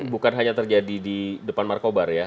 bukan hanya terjadi di depan markobar ya